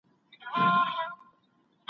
دلته ما په خپلو سترګو دي لیدلي